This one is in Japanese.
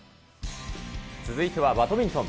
続いてはバドミントン。